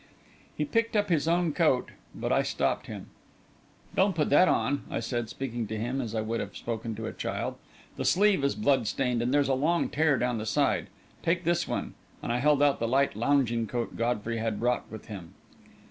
He picked up his own coat, but I stopped him. "Don't put that on," I said, speaking to him as I would have spoken to a child. "The sleeve is blood stained and there's a long tear down the side. Take this one," and I held out the light lounging coat Godfrey had brought with him.